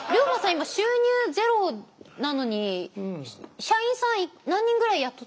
今収入０なのに社員さん何人ぐらい雇ってらっしゃるんですか？